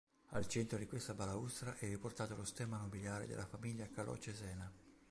Al centro di questa balaustra è riportato lo stemma nobiliare della famiglia Calò-Cesena.